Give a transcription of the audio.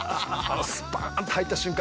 スパーンと入った瞬間